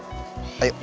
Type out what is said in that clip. makan deh makan deh